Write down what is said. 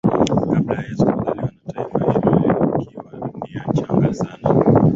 Kabla ya Yesu kuzaliwa na taifa hilo likiwa nia changa sana